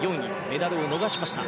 メダルを逃しました。